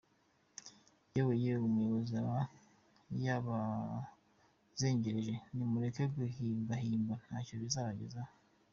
Yewe yewe, uyu muyobozi aba yabazengereje nimureke guhimba himba ntacyo bizabagezaho.